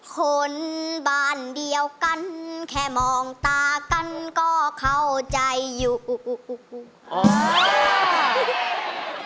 คนบ้านเดียวกันแค่มองตากันก็เข้าใจอยู่อุก